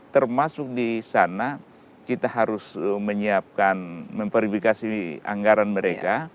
termasuk di sana kita harus menyiapkan memverifikasi anggaran mereka